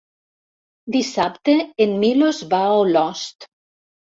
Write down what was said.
Dissabte en Milos va a Olost.